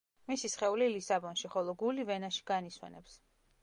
მისი სხეული ლისაბონში, ხოლო გული ვენაში განისვენებს.